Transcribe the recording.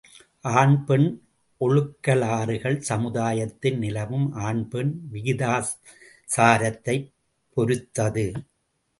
ஆண் பெண் ஒழுகலாறுகள் சமுதாயத்தில் நிலவும் ஆண் பெண் விகிதாசாரத்தைப் பொருத்தது.